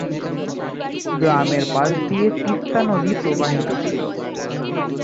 গ্রামের পাশ দিয়ে তিস্তা নদী প্রবাহিত ছিল।